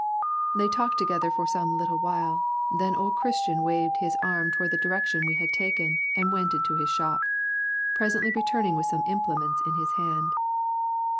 They talked together for some little while, then old Christian waved his arm toward the direction we had taken and went into his shop, presently returning with some implements in his hand.